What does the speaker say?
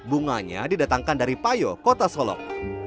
bunganya didatangkan dari payo kota solok